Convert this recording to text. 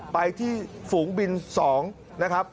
ไปที่ฝูงบิน๒นะครับ